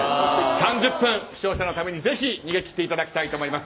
３０分、視聴者のためにぜひ逃げ切っていただきたいと思います。